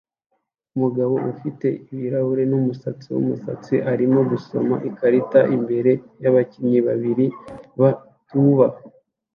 Umugabo ufite ibirahuri numusatsi wumusatsi arimo gusoma ikarita imbere yabakinnyi babiri ba tuba